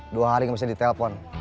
dua hari gak bisa di telpon